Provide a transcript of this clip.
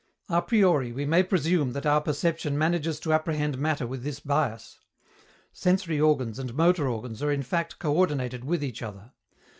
A priori we may presume that our perception manages to apprehend matter with this bias. Sensory organs and motor organs are in fact coördinated with each other.